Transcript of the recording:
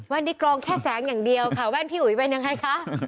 วันนี้กรองแค่แสงอย่างเดียวค่ะแว่นพี่อุ๋ยเป็นยังไงคะ